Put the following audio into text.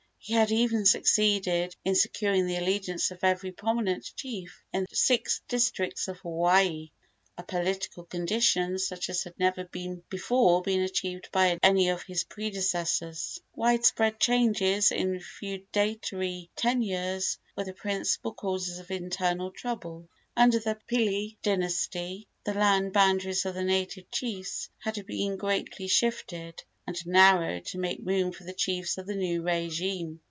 He had even succeeded in securing the allegiance of every prominent chief in the six districts of Hawaii a political condition such as had never before been achieved by any of his predecessors. Wide spread changes in feudatory tenures were the principal causes of internal trouble. Under the Pili dynasty the land boundaries of the native chiefs had been greatly shifted and narrowed to make room for the chiefs of the new régime.